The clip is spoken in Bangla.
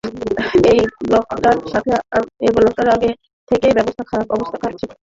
ওই ব্লকটার আগে থেকেই অবস্থা খারাপ ছিল।